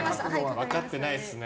分かってないですね